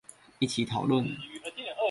一起討論